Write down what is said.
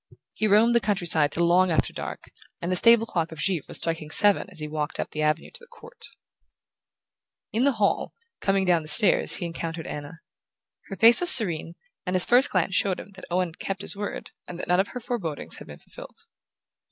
He roamed the country side till long after dark, and the stable clock of Givre was striking seven as he walked up the avenue to the court. In the hall, coming down the stairs, he encountered Anna. Her face was serene, and his first glance showed him that Owen had kept his word and that none of her forebodings had been fulfilled.